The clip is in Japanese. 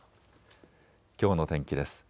きょうの天気です。